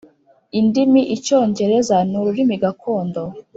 Indimi Icyongereza n ururimi gakondo